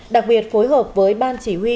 đặc biệt phối hợp với ban chỉ huy